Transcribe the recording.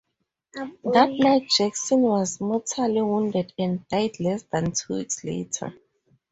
That night, Jackson was mortally wounded and died less than two weeks later.